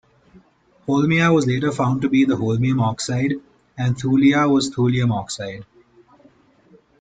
Holmia was later found to be the holmium oxide and thulia was thulium oxide.